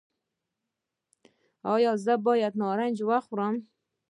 ایا زه باید نارنج وخورم؟